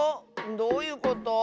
どういうこと？